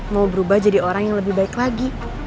mau berubah jadi orang yang lebih baik lagi